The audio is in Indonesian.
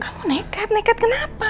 kamu nekat nekat kenapa